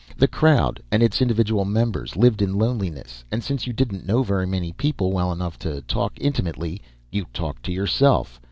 The crowd, and its individual members, lived in loneliness. And since you didn't know very many people well enough to talk to, intimately, you talked to yourself.